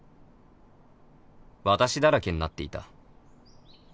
私だらけになっていた